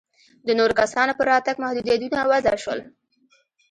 د نورو کسانو پر راتګ محدودیتونه وضع شول.